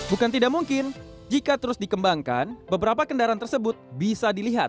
bukan tidak mungkin jika terus dikembangkan beberapa kendaraan tersebut bisa dilihat